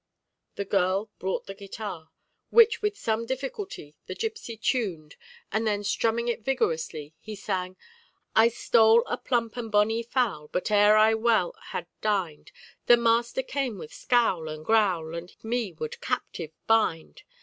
The girl brought the guitar, which with some difficulty the gipsy tuned, and then, strumming it vigorously, he sang: "I stole a plump and bonny fowl, But ere I well had dined, The master came with scowl and growl, And me would captive bind.